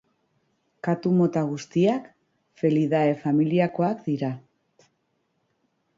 Katu mota guztiak Felidae familiakoak dira.